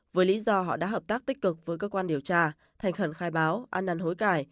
với lý do họ đã hợp tác tích cực với cơ quan điều tra thành khẩn khai báo ăn năn hối cải